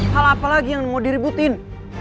hal apa lagi yang mau diributin